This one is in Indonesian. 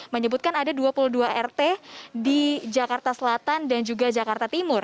menyebutkan ada dua puluh dua rt di jakarta selatan dan juga jakarta timur